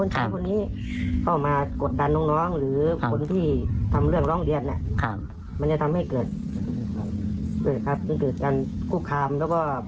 การนี้ออกมาพูดคุยกันอย่างนี้ออกมาแข่งนี้รู้สึกกลัวไหม